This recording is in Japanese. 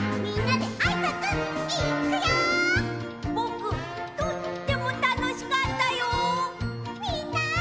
みんな！